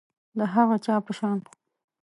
د هغه چا په شان